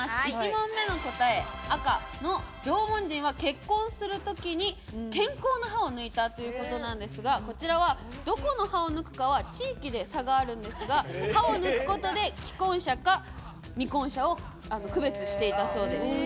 １問目の答え、赤の縄文人は結婚する時に健康な歯を抜いたということなんですがこちらは、どこの歯を抜くかは地域で差があるんですが歯を抜くことで既婚者か未婚者を区別していたそうです。